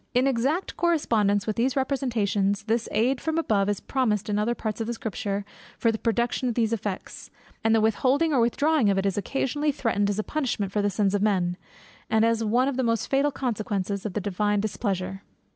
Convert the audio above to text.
In exact correspondence with these representations, this aid from above is promised in other parts of Scripture for the production of those effects; and the withholding or withdrawing of it is occasionally threatened as a punishment for the sins of men, and as one of the most fatal consequences of the Divine displeasure.